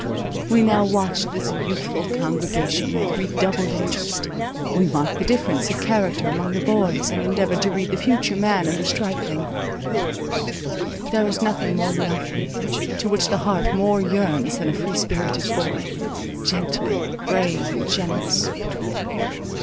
We now watched this youthful congregation with redoubled interest. We marked the difference of character among the boys, and endeavoured to read the future man in the stripling. There is nothing more lovely, to which the heart more yearns than a free spirited boy, gentle, brave, and generous.